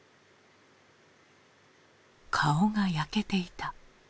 顔が焼けていた。